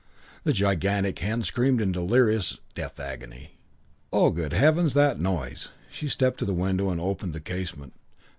The gigantic hen screamed in delirious death agony. "Oh, good heavens, that noise!" She stepped to the window and opened the casement.